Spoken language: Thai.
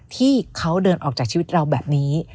ที่เขาเดินออกจากชีวิตเราแบบนี้